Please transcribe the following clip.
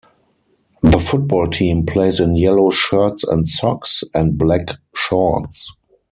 The football team plays in yellow shirts and socks, and black shorts.